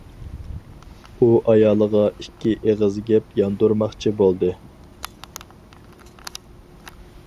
ئۇ ئايالىغا ئىككى ئېغىز گەپ ياندۇرماقچى بولدى.